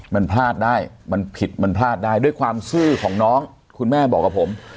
มันพลาดได้มันผิดมันพลาดได้ด้วยความซื่อของน้องคุณแม่บอกกับผม